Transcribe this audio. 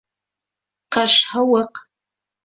Ҡыш һыуыҡ